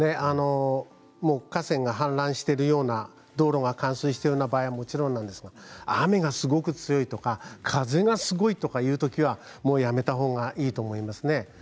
河川が氾濫しているような道路が冠水している場合はもちろんなんですが雨がすごく強いとか風がすごいというときはもうやめたほうがいいと思いますね。